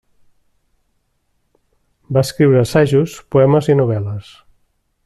Va escriure assajos, poemes i novel·les.